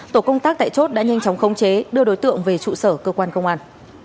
tổ công tác tại chốt đã nhanh chóng khống chế đưa đối tượng về trụ sở cơ quan công an